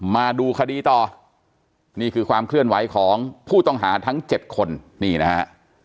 มาดูคดีต่อนี่คือความเคลื่อนไหวของผู้ต้องหาทั้ง๗คนนี่นะฮะ